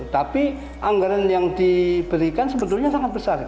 tapi anggaran yang diberikan sebetulnya sangat besar